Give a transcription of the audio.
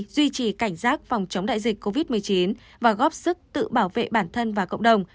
duy trì cảnh giác phòng chống đại dịch covid một mươi chín và góp sức tự bảo vệ bản thân và cộng đồng